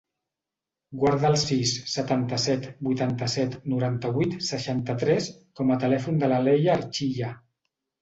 Guarda el sis, setanta-set, vuitanta-set, noranta-vuit, seixanta-tres com a telèfon de la Leia Archilla.